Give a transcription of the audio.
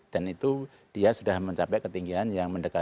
dan itu dia sudah mencapai ketinggian yang mendekati